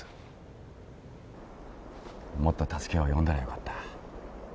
もっと助けを呼んだらよかった。